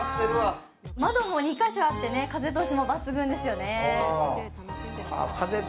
窓も２か所あって、風通しも抜群ですよね。